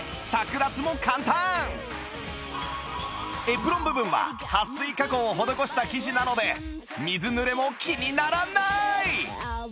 エプロン部分ははっ水加工を施した生地なので水濡れも気にならない！